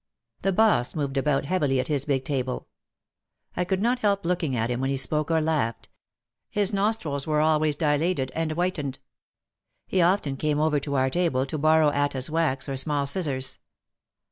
The boss moved about heavily at his big table. I could not help looking at him when he spoke or laughed, — his nostrils always dilated and whitened. He often came over to our table to borrow Atta's wax or small scissors.